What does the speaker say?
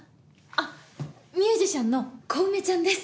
あっミュージシャンの小梅ちゃんです。